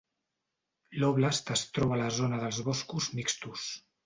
L'óblast es troba a la zona dels boscos mixtes.